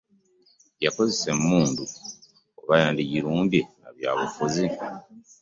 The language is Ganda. Yakozesa emmundu, oba yandigirumbye na byabufuzi?